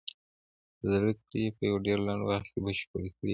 زدکړې يې په يو ډېر لنډ وخت کې بشپړې کړې وې.